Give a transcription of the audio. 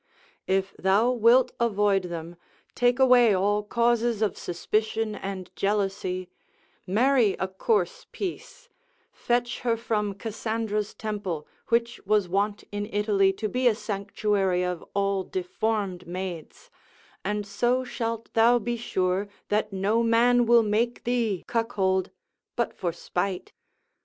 If thou wilt avoid them, take away all causes of suspicion and jealousy, marry a coarse piece, fetch her from Cassandra's temple, which was wont in Italy to be a sanctuary of all deformed maids, and so shalt thou be sure that no man will make thee cuckold, but for spite.